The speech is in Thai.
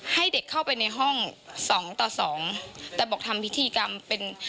ให้เด็กเข้าไปในห้องสองต่อสองแต่บอกทำพิธีกรรมเป็น